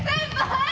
はい。